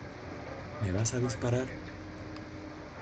¿ me vas a disparar?